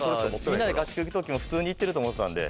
みんなで合宿行く時も普通に行ってると思ってたんで。